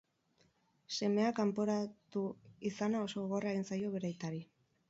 Semea kanporatu izana oso gogorra egin zaio bere aitari.